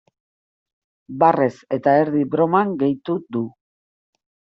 Barrez eta erdi broman gehitu du.